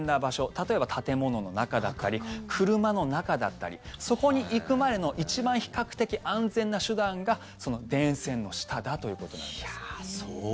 例えば建物の中だったり車の中だったりそこに行く前の一番、比較的安全な手段が電線の下だということなんです。